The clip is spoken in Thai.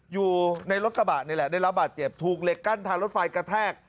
อยู่ในรถกระบะนี่แหละได้รับบาดเจ็บถูกเหล็กกั้นทางรถไฟกระแทก